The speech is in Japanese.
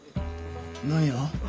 何や？